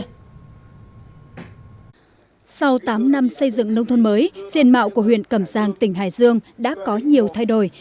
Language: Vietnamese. sau tám năm xây dựng nông thôn mới diện mạo của huyện cẩm giang tỉnh hải dương đã có nhiều thay đổi